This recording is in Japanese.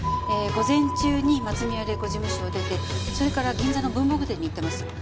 午前中に松宮玲子事務所を出てそれから銀座の文房具店に行ってます。